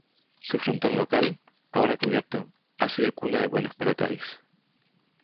Su frontón local, ahora cubierto, ha sido cuna de buenos pelotaris.